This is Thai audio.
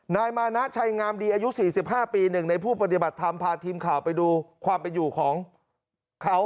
นายมานะชัยงามดีอายุ๔๕ปี๑ในผู้ปฏิบัติธรรมพาทีมข่าวไปดูความเป็นอยู่ของเขา